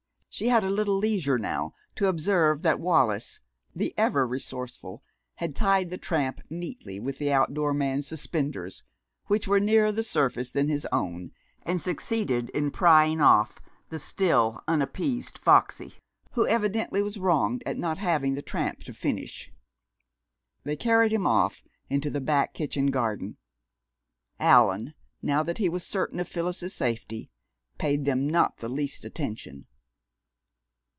She had a little leisure now to observe that Wallis, the ever resourceful, had tied the tramp neatly with the outdoor man's suspenders, which were nearer the surface than his own, and succeeded in prying off the still unappeased Foxy, who evidently was wronged at not having the tramp to finish. They carried him off, into the back kitchen garden. Allan, now that he was certain of Phyllis's safety, paid them not the least attention.